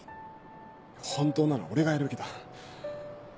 本当なら俺がやるべきだ。